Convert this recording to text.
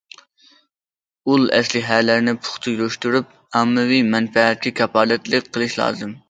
ئۇل ئەسلىھەلەرنى پۇختا يۈرۈشتۈرۈپ، ئاممىۋى مەنپەئەتكە كاپالەتلىك قىلىش لازىم.